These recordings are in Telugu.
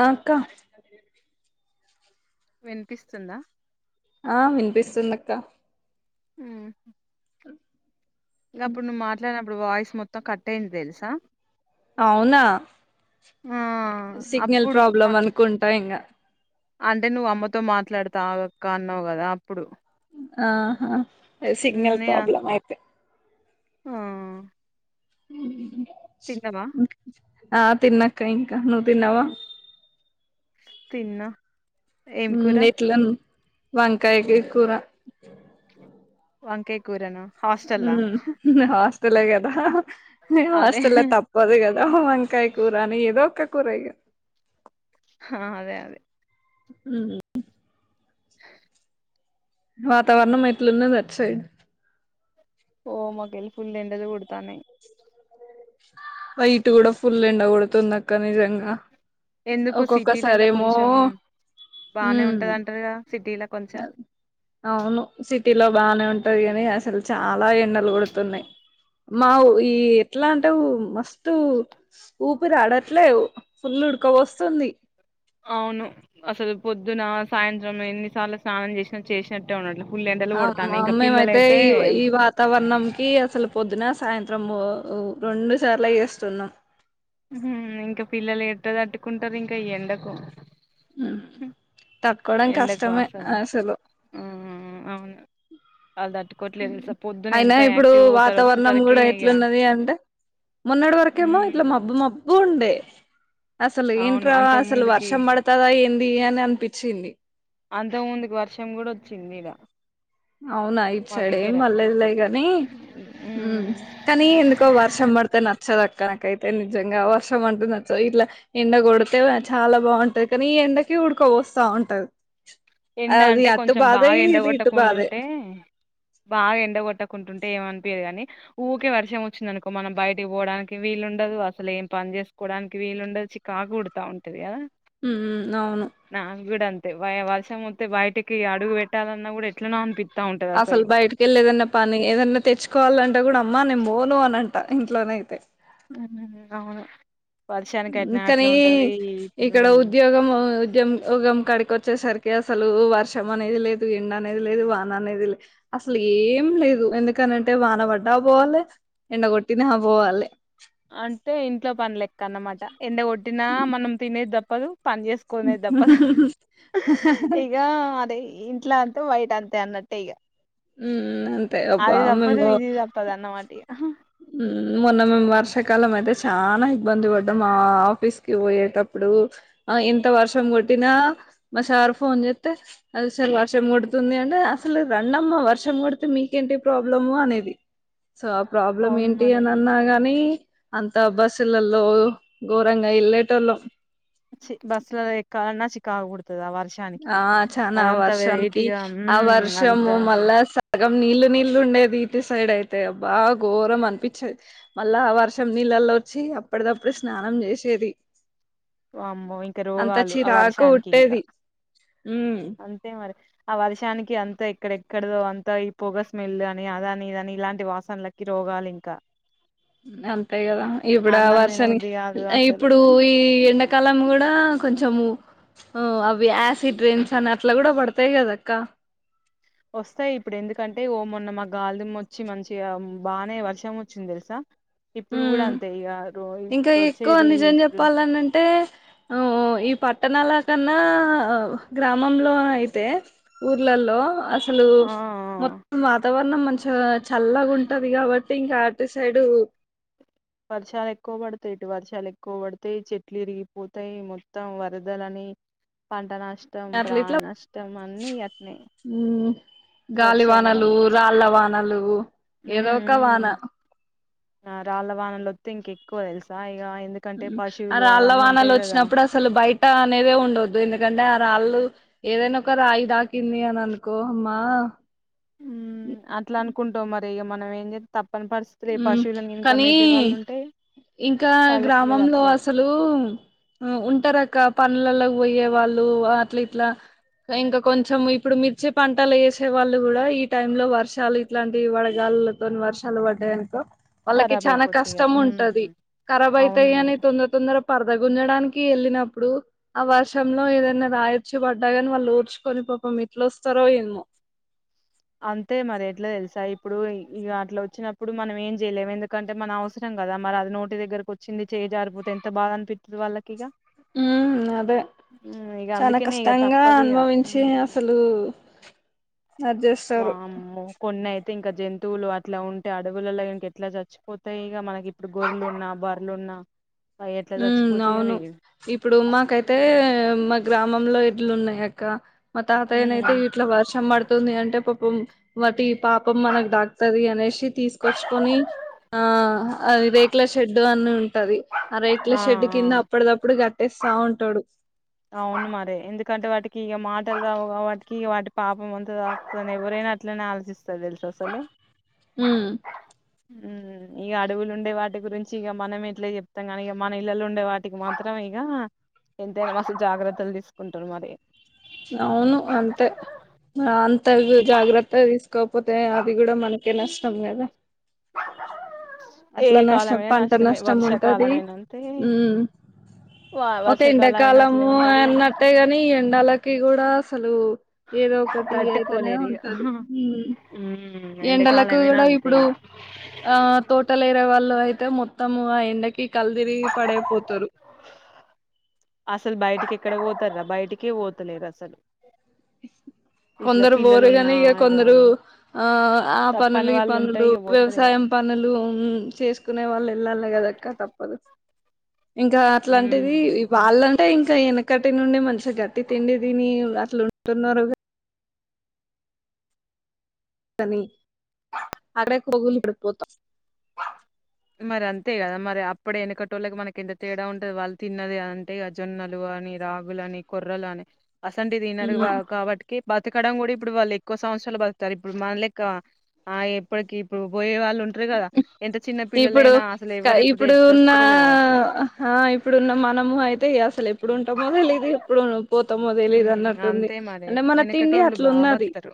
ఆ అక్క వినిపిస్తుందా ఆ వినిపిస్తుందక్క హు ఇంకా అప్పుడు నువ్వు మాట్లాడినప్పు ఇప్పుడు వాయిస్ మొత్తం కట్ అయింది తెలుసా అవునా ఆ సిగ్నల్ అప్పుడు ప్రాబ్లం అనుకుంటా ఇంగా అంటే నువ్వు అమ్మతో మాట్లాడతా ఆగక్క అన్నావు కదా అప్పుడు ఆహా సిగ్నల్ నేనా ప్రాబ్లమ్ అయితే ఆ హు తిందమా ఆ తిన్నక ఇంకా నువ్వు తిన్నావా తిన్నా ఏం కూర ఎట్ల వాంకాయకి కూర వంకయ కూరన హ్మ హాస్టల్ తెలే కదా మేము అదే అసలే తప్పదు కదా వంకాయ కూర అని ఏదో ఒక ట్ కొర యే ఆ అదే అదే ఉ వాతావరణం ఎట్లుందో దాచ్చయ్ ఓ మక్ లు ఫుల్ ఎండలు కొడుతున్నాయి వ ఇట్ కూడా ఫుల్ ఎండకడుతుంది అక్క నిజంగా ఎందుకు ఒక్కొక్కసారి సిటీలలో ఏమో కొంచెం బానే మ్మ్ ఉంటదింటారుగా సిటీలో కొంచెం అవును సిటీలో బాగా ఉంటది ని అసలు చాలా ఎండలు కొడుతున్నాయి మా ఈ ఎట్లా అంటే మస్తుట్ ఊపిరిడట్లేవు ఫుల్ ఉడక వస్తుంది అవును అసలు పొద్దున సాయంత్రం ఎన్నిసార్లు స్నానం చేసినా చేసినట్టే ఉండలా అ మా మ్మమ్ అయితే ఈ వాతావరణంకి అసలు పొద్దున సాయంత్రం డ్రమ్ము రెండు సార్లు చేస్తున్నాం ఇంకా పిల్లలు ఎడదిట్టుకుంటారు ఇంకా ఈ ఎండకు త ఎండకు వాసలు ఆ అవును అల్ దట్ అయినా ఇప్పుడు వాతావరణం వచ్చేసరికి కూడా ఇక ఎట్లున్నది అంటే మొన్నటి వరకేమో ఇట్లా ఉమ్ మబ్బు మబ్ ఉండే అసలు అవును ఏంట్రా అంతకు అసలు ముందుకి వర్షం పడతదా ఏంది అని అనిపి చింది అంతకు ముందుకు వర్షం కూడా వచ్చింది ఈడ అవునా ఇట్ మా సైడ్ ఏం దగ్గర పలేదులే కానీ ఊమ్ ఉమ్ కానీ ఎందుకో వర్షం పడితే నచ్చదక్క కనకైతే నిజంగా వర్షం అంటే నచ్చదు ఇట్లా ఎండ కొడితే చాలా బాగుంటది కానీ ఈ ఎండకి ఉడుకోవోస్తా ఉంటది అ అది అత్త బాద యిది ఇది ఇటు బాధే కొండుంటే బాగా ఎండగొట్టకుంటుంటే ఏమనిపియాదు గానీ ఊకే వర్షం వచ్చింది అనుకో మనం బయటకి పోవడానికి వీలు ఉండదు అసలు ఏం పని చేసుకోవడానికి వీలుండదు చికాకు కొడుతా ఉంటది కదా ఊమ్ అవును ది వయ వస్ మోతె బయటికి అడుగు పెట్టాలన్నా కూడా ఎట్లనో అనిపి అసలు బయటకెళ్ళి ఏదన్నా పని ఏదన్నా తెచ్చుకోవాలంటే కూడా అమ్మా నే బోను అనంట ఇంట్లోనైతే అవునా అవును వర్షానికైతేనే అట్లా ఇకానీ అట్లా ఉంటది. ఇప్పుడు ఇక్కడ ఉద్యోగం ఉద్యమ ఉగం గడికో వచ్చేసరికి అసలు వర్షం అనేది లేదు ఎండ అనేది లేదు వాన అనేది లేదు అసలు ఏం లేదు ఎందుకనంటే వాన పడ్డా బోవాలి ఎండ కొట్టినా బోవాలే అంటే ఇంట్లో పనుల ఎక్కన్నమాట ఎండ గొట్టినా మనం తినేది ద పదు పని చేసుకోనేది తప్ప ఆహ్ హా ఇక అదే ఇంట్ల ఉమ్ వైట్ అంతే అన్నట్టే ఇక ఊమ్ అంతే అబ్బా మేమ్ బో ఇది తప్పదు అన్నమాట ఇగ. ఊమ్ మొన్న మేము వర్షాకాలం అయితే చానా ఇబ్బంది పడ్డం మా ఆఫీస్ కి పోయేటప్పుడు ఆ ఇంత వర్షం కొట్టినా మా సార్ ఫోన్ చేస్తే అది సారి వర్షం కొడుతుంది అంటే అసలు రండమ్మా వర్షం కొడితే మీకేంటి ప్రాబ్లము అనేది సో అప్ ప్రాబ్లం అవును ఏంటి మరి అని అన్నా గాని అంత బస్సులలో ఘోరంగా ఎళ్ళేటోళ్ళం చి బస్ లో ఎక్కాలన చి కాగుడదు ఆ చనా ఆ వర్షానికి వెరైటీగా ఆ మ్మ్ అంత వర్షము మళ్ళా సాయం సగం నీళ్లు నీళ్ళు ఉండేది ఇటి సైడ్ అయితే అబ్బా ఘోరం అనిపించేది మళ్ళా వర్షం నీళ్ళల్లో వచ్చి అప్పటిదప్పుడే స్నానం చేసేది వామ్మో ఇంకా అంత రోగాలు ఆ చిరాకు వర్షానికి ఇంకా పుట్టేది ఉమ్ అంతే మరి ఆ వర్షానికి అంతా ఎక్కడెక్కడదో అంతా ఈ పొగ స్మెల్ అని అద అని ఇదని ఇలాంటి వాసనలకి రోగాలు ఇంకా అంతే కదా ఇప్పుడు అన్నం వర్షానికి తినబుద్ది కాదు అసలు ఇప్పుడు ఈ ఎండ కాలం కూడా కొంచెము అవి యాసిడ్ రెన్స్ అని అట్లా కూడా పడతాయి కదా అక్క వస్తాయి ఇప్పుడు ఎందుకంటే అంటే ఓ మొన్న మా గాలి ధూమ్ వచ్చి మంచిగా బాగానే వర్షం వచ్చింది తెలుసా ఇప్పుడు కూడా ఉమ్ అంతే యిగారు ఇంకా ఎక్కువ నిజం చెప్పాలనంటే అమ్ ఈ పట్టణాల కన్నా గ్రామంలో అయితే ఊర్లలో అ హలో ఆ ఆ మొత్తం మాతవ న్నా మంచిగా చల్లగా ఉంటది కాబట్టి ఇంకా అటు సైడు వర్షాలు ఎక్కువ పడతాయి ఇటు వర్షాలు ఎక్కువ పడితాయి చెట్లు విరిగిపోతాయి మొత్తం వరదలని పంట నాశ నష్టం అట్లా ప్రా ఇట్లా నష్టం అన్ని అట్నే ఉమ్ గాలి వర్షాల వానలు వల్ల రాళ్ళ వానలు ఏదో ఉమ్ ఒక వాన ఉమ్ రాళ్ళ వానల వత్త ఇంక ఎక్కువ తెలుసా ఇక అర అల్లవానాలు వచ్చినప్పుడు అసలు బయట అనేదే ఉండొద్దు ఎందు ఎందుకంటే ఆ రాళ్ళు ఏదైనా ఒక రాయి తాకింది అని అనుకో అమ్మా ఇ మనం ఏం త కానీ ఉంటే ఇంకా వాళ్ళకి ఇగ గ్రామంలో తప్పదు అసలు ఉంటారుక్క ప పల పోయే వాళ్ళు అట్లా ఇట్లా ఇంకా కొంచెం ఇప్పుడు మిర్చి పంటలు వేసే వాళ్ళు కూడా ఈ టై లో వర్షాలు ఇట్లాంటి వడగాళ్లతో వర్షాలు ప అదేకు వాళ్ళకి ఖరాబ్ చనా అయిపోతాయి ఇగ కష్టం ఉంటది ఉమ్ ఖరాబ్ అవును అయితాయి అని మరి తొందర తొందర పరదగుంజడానికి వెళ్ళినప్పుడు ఆ వర్షంలో ఏదైనా రాయిచు పడ్డాగాని వాళ్ళు ఊర్చుకొని పాపం ఇట్లొస్తారో ఏమో అంతే మరి ఎట్లా తెలుసా ఇప్పుడు ఇ అట్లా వచ్చినప్పుడు మనం ఏం చేయలేము ఎందుకంటే మనం అవసరం కదా మరి అది నోటి దగ్గరకి వచ్చింది చేజారిపోతే ఎంత బాధ అనిపిస్తుంది వాళ్ళకి ఇక ఉ అదే ఇగ చాలా అందుకనే ఇగ కష్టంగా తప్పదు ఇగ అనుభవించి అసలు అది చేస్తారు వామ్మ కొన్నయి ఇంకా జంతువులు అట్లా ఉంటే అడవులలో ఇంక ఎట్లా చచ్చిపోతాయి ఇక మనకి ఇప్పుడు గొరలు ఉన్నా బర్రలున్నా ఉ అవును ఇప్పుడు మాకైతే మ గ్రామంలో ఇడ్లు ఉన్నాయాక మా తాతయ్యన ఉమ్, అయితే ఇట్లా వర్షం పడుతుంది అంటే ప వాటి పాపం మనకు దాక్తది అనేసి తీసుకొచ్చుకొని ఆ అది రేకుల షెడ్డు అన్ని ఉంటది ఆ రేట్ల షెడ్డు కింద అప్పటిదప్పుడు కట్టేస్త చాగుంటాడు అవును మరే ఎందుకంటే వాటికి ఇక మాటలువు వాటికిక వాటి పాపం అంతా తాస్తుందని ఎవరైనా అట్లనే ఆలోచిస్తారు తెలుసు అసలు ఉమ్ ఉమ్ ఇక అడవులు ఉండే వాటి గురించి ఇక మనం ఎట్లే చెప్తాం కానీ ఇక మన ఇళ్లలు ఉండే వాటికి మాత్రం ఇక ఎంత జాగ్రత్తలు తీసుకుంటారు మరి తగు జాగ్రత్త తీసుకోకపోతే అది కూడా మనకే నష్టం కదా ఏ అట్లా నష్టం కాలమైనా పంట నష్టమే నష్టం ఉంటది వర్షాకాలమైన అంతే ఊమ్ వా ఒక వర్షాకాలం అయినా అట్లే ఎండాకాలము ఉంటది అన్నట్టే గాని ఈ ఎండాలకి అసలు ఏదో ఒకటి అయితేనే తట్టుకోలేరు ఇగ ఉంటది ఊమ్ ఉమ్ ఎండలకు ఎండాకాలమైనా కూడా అంతే ఇప్పుడు ఇగ. ఆ తోటలురే వాళ్ళు ఇంట్లో అయితే మొత్తము ఆ ఎండ కి కళ్ళు తిరిగి పడేపోతారు అసలు బయటికి ఎక్కడ పోతార్రా బయటికే పోతలేరు అసలు ఇట్లా కొందరు పిల్లలు బోరుగాని ఉన్నా ఇక ఇగ కొందరు ఆ ఆ పనులు తప్పని ఈ వాళ్ళు ఉంటే పనులు ఇగ పోతారు ఇగ వ్యవసాయం పనులు ఊమ్ చేసుకునే వాళ్ళు వెళ్ళాలి కద అక్క తప్పదు ఇంకా అట్లాంటిది ఉమ్ వాళ్ళను అంటే ఇంకా వెనకటి నుండి మంచిగా గట్టి తిండి దిని అట్లు ఉంటున్నారు గాని పని ఆరే బొగులు పడిపోతా మరి అంతే కదా మరి అప్పుడు యేనకటోళ్ళకి మనకి ఎంత తేడా ఉంటది వాళ్ళు తిన్నది అంటే అ జొన్నలు అని రాగులు అని కొర్రలు అని అసంటిది తినరు కా కాబట్టికి బతకడం గూడ ఇప్పుడు వాళ్ళు ఎక్కువ సంవత్సరాలు బతుకుతారు ఇప్పుడు మన లెక్క ఆ ఎప్పటికి ఇప్పుడు పోయే వాళ్ళు తుంట్రి కదా ఎంత చిన్న ఇప్పుడు పిల్లలైనా అసలు కా ఎవరు ఎప్పుడు ఇప్పుడు ఎటు ఉన్న చస్తారో తెలవట్లే ఆ ఇప్పుడున్న మనము అయితే అస ప్పుడు ఉంటామో తెలీదు ఇప్పుడు పోతామాతెలీదు ఉమ్ అన్నట్టుంది అంతే మరి అంటే మన తిండి వెనకటోళ్ళు అట్లు బా ఉన్నది బతుకుతారు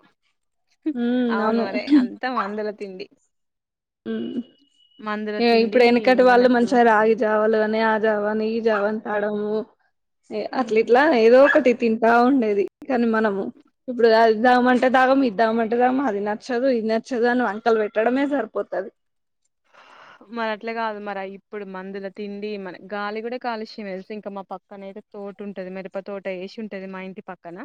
హ్మ్ అవును మరి అంతా మందుల తిండి హ్మ్ మందుల ఇగ ఇప్పుడు తిండి వెనకటి వాళ్ళు మనకు మంచిగా రాగి జావాలు అని ఆ జావా అని ఈ జావ అని తాడము ఏ అట్ల ఉమ్ ఇట్లా ఏదో ఒకటి తింటా ఉండేది అది కానీ మనము ఇప్పుడు అది దామంటే దాగం ఇద్దామంటే దాగం అది నచ్చదు ఇది నచ్చదు అని వంకలు పెట్టడమే సరిపో పోతది మరి అట్లే కాదు మరి ఇప్పుడు మందుల తిండి మన గాలి కూడా కాలుష్యం తెలుస ఇంకా మా పక్కన అయితే తోట ఉంటది మిరప తోట వేసి ఉంటది మా ఇంటి పక్కన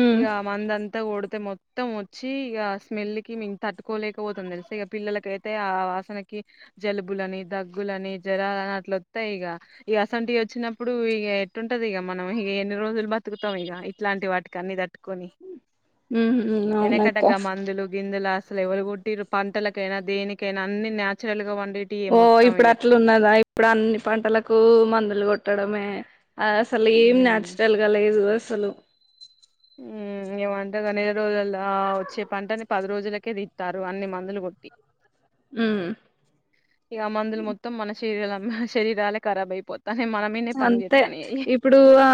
ఉమ్ ఇగా మంద అంతా కొడితే మొ మొత్తం వచ్చి ఇగా స్మెల్ కి మేము తట్టుకోలేకపోతం తెలుసు ఇక పిల్లలకైతే ఆ వాసన కి జలుబులని దగ్గులని జరాలు అని అట్లు వత్తాయి ఇక ఇగా అసంటి వచ్చినప్పుడు ఇక ఎల్లుటాది ఇక మనం ఇక ఎన్ని రోజులు బతుకుతాం ఇగా ఇట్లాంటి వాటికి అన్ని తట్టుకొని హ్మ్ హు అవునక్క వెనకటగా మందులు గిందులు అసలు ఎవరుగొట్టిరు పంటలకైనా దేనికైనా అన్ని నా చుయల్ గా వన్ ఓ ఇప్పుడు అట్లు ఉన్నదా ఇప్పుడు అన్ని పంటలకు మందులు గొ ట్టడమే అసలు ఏం ఉమ్ న్యాచురల్ గా లేదు అసలు ఏ వంటగా నెల రోజుల్లో ఆ వచ్చే పంటని పది రోజులకే తీత్తారు అన్ని మందులు కొట్టి ఉమ్ ఇగ మందులు మొత్తం మన చే తీగలన్న శరీరాలే కరాబ్ అయిపో అంతే ఇప్పుడు ఆ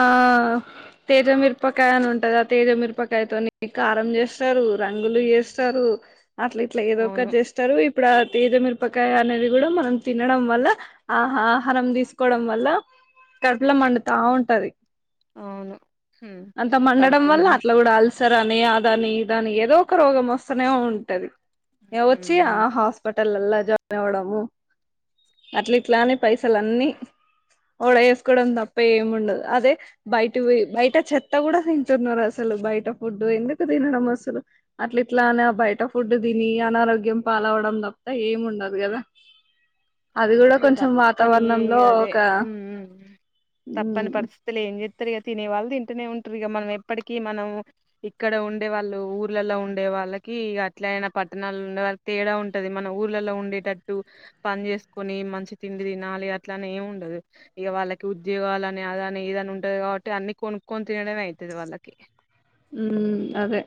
తేజ మిరపకాయల్ అని ఉంటది అ తేజమిరపకాయతోని కారం జెస్తారు రంగులు జేస్తారు అట్ల ఇట్లా ఏదోకటి అవును జెస్తారు ఇప్ ఇప్పుడ ఆ తీదమిరపకాయ అనేది గూడా మనం తినడం వల్ల ఆ ఆహారం తీసుకోవడం వల్ల కడుపుల మండుతా ఉంటది అవును ఉమ్ అంత మండడం కడుపు వల్ల ఉమ్ అట్ల గుడా ఆల్ సరా అని అదని ఇదని ద ఏదో ఒక రోగం వస్తనే ఉంటది ఏయ్ వచ్చి ఆ అంతే హాస్పిటలల్లా జాయ్ తేవడము అట్లా ఇట్లా అని పైసలన్నీ ఓడ వేసుకోవడం తప్ప ఏముండదు అదే బయట బయట చెత్త కూడా తింటున్నారు అసలు బయట ఫుడ్ ఎందుకు తినడం అసలు అట్ల ఇట్లా అనే ఆ బయట ఫుడ్ తిని అనారోగ్యం పాలవడం తప్ప ఏముండదు గదా అది గుడా ఇగ కొంచెం తప్పని వాతావరణంలో అదే ఒక ఉమ్ తప్పని ఉమ్ పరిస్థిలు ఏం జె సరిగ తినే వాళ్ళు ఇంటినే ఉంటుది మనం ఎప్పడికి మనం ఇక్కడ ఉండే వాళ్ళు ఊర్లలో ఉండే వాళ్ళకి అట్లా అయినా పట్టణాల్లో ఉండే వాళ్ళ తేడా ఉంటది మనం ఊర్లలో ఉండేటట్టు పనిచేస్తు కొన్ని మంచి తిండి తినాలి అట్లనే ఏమి ఉండదు ఇక వాళ్ళకి ఉద్యోగాలు అని అద అని ఇదని ఉంటది కాబట్టి అన్ని కొనుక్కొని తినడమే అయితది వాళ్ళకి హ్మ్మ్ అదే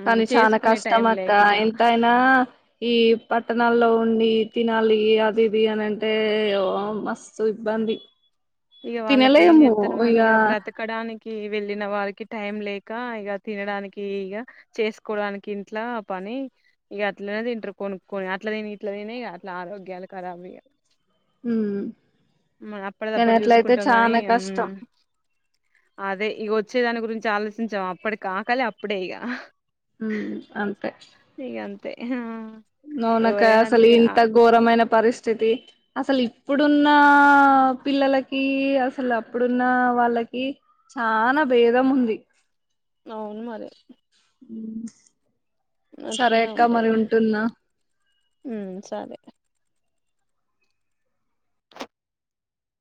ఉమ్, కాని చాల చేసుకునే కష్టం టైం అక్క లేక ఇక ఎంతయినా ఈ పట్టణాల్లో ఉండి తినాలి అదిది అని అంటేఓ మస్తు ఇబ్బంది ఇగ వాళ్ళకి ఏం చెప్తారు మరీ ఇక బ్రతకడానికి వెళ్ళిన వా టైం లేక ఇక తినడానికి ఇక చేసుకోడానికి ఇంట్లా పని ఇక అట్లనే దింట్రారు కొనుక్కని అట్లా తిని ఇట్లా తిని ఇ అట్లా ఆరోగ్యాలు క రాబ్ ఇ ఉమ్ మారప్పడ్డాప్ కానీ ఇప్పుడు అట్లయితే చూసుకుంటాం కానీ చాలా కష్టం అదే ఇగో ఇచ్చేదాని గురించి ఆలోచించాం అప్పటడిక కానీ అప్పుడే ఇక ఉమ్ అంతే తే హా నోనక అసలు ఇంత ఘోరమైన పరిస్ చతి అసలు ఇప్పుడున్నా పిల్లలకీ అసలు అప్పుడున్నా వాళ్ళకి చాన బేదం ఉంది అవున్ మరి స్ అట్లనే సరేక్క మరి ఉంటది ఉంటున్న ఉమ్ సరే